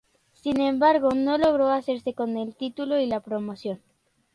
Sin embargo, no logró hacerse con el título y la promoción.